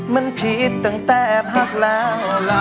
มันผิดตั้งแต่พักแล้วล่ะ